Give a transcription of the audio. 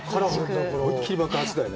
思いっきり爆発だよね。